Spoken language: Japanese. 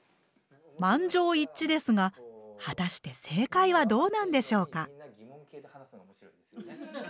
満場一致ですが果たして正解はどうなんでしょうか？